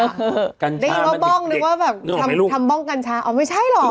เลยว่าบ้องนึกว่าแบบนึกว่าใดลูกทำบ้องกัญชาอ๋อไม่ใช่หรอ